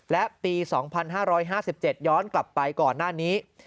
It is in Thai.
และปี๒๕๕๗ย้อนกลับไปก่อนหน้านี้